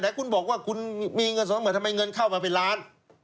คุณบอกว่าคุณมีเงินสมเหมือนทำไมเงินเข้ามาเป็นล้าน